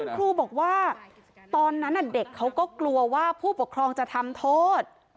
ครูบอกว่าตอนนั้นเด็กเขาก็กลัวว่าผู้ปกครองจะทำโทษ